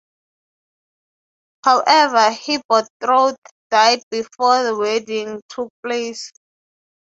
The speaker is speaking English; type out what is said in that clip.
However, her betrothed died before the wedding took place.